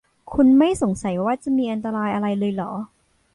คุณไม่สงสัยว่าจะมีอันตรายอะไรเลยหรอ ?